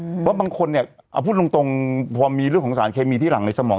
เพราะบางคนเนี่ยเอาพูดตรงตรงพอมีเรื่องของสารเคมีที่หลังในสมอง